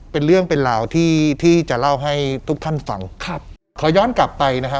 เป็นเรื่องเป็นราวที่ที่จะเล่าให้ทุกท่านฟังครับขอย้อนกลับไปนะฮะ